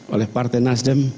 oleh partai nasdem